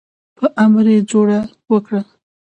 په امر یې جوړه وکړه.